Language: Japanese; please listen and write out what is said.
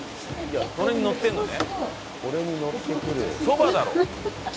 それにのってるのね？